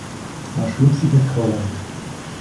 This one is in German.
Man schlug sich mit Keulen.